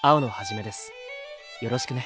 よろしくね。